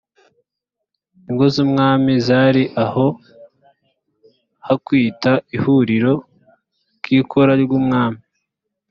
ingo z’umwami zari aho hakwitwa ihuriro ry’ikoro ry’umwami